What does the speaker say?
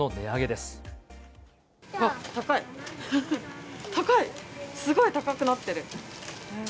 すごい高くなってる。